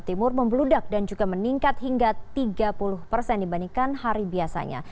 timur membeludak dan juga meningkat hingga tiga puluh persen dibandingkan hari biasanya